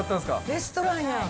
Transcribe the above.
レストランやん。